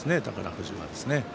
富士はね。